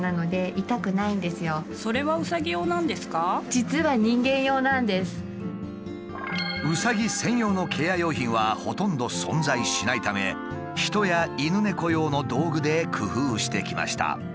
実はうさぎ専用のケア用品はほとんど存在しないため人や犬猫用の道具で工夫してきました。